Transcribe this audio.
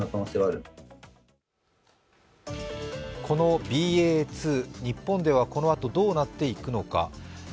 このＢＡ．２、日本ではこのあと、どうなっていくのか。